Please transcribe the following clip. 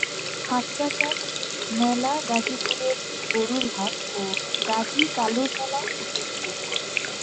হাটবাজার, মেলা গাজিপুরের গরুর হাট ও গাজী কালুর মেলা উল্লেখযোগ্য।